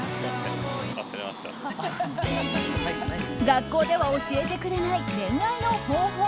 学校では教えてくれない恋愛の方法。